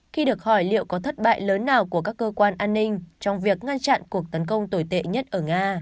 khi được hỏi liệu có thất bại lớn nào của các cơ quan an ninh trong việc ngăn chặn cuộc tấn công tồi tệ nhất ở nga